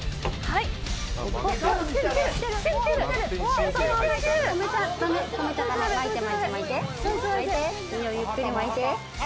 いいよ、ゆっくり巻いて。